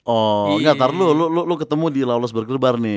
oh ngga ntar lu ketemu di klaules burger bar nih